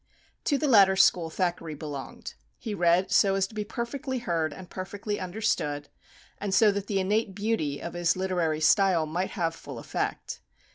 To the latter school Thackeray belonged. He read so as to be perfectly heard, and perfectly understood, and so that the innate beauty of his literary style might have full effect.